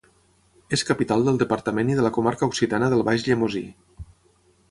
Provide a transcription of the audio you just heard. És capital del departament i de la comarca occitana del Baix Llemosí.